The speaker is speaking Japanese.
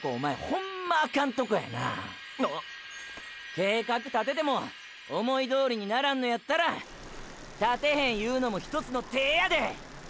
⁉計画立てても思いどおりにならんのやったら立てへんいうのもひとつの手やで。